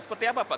seperti apa pak